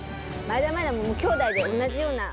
「まえだまえだ」も兄弟で同じような。